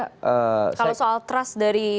kalau soal trust dari